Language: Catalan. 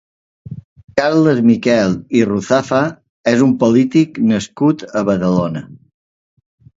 Carles Miquel i Ruzafa és un polític nascut a Badalona.